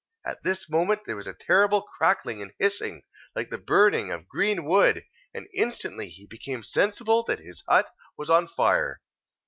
At this moment there was a terrible crackling and hissing, like the burning of green wood, and instantly he became sensible that his hut was on fire.